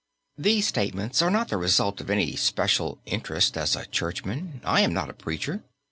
These statements are not the result of any special interest as a churchman. I am not a preacher.